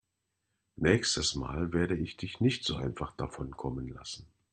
Nächstes Mal werde ich dich nicht so einfach davonkommen lassen.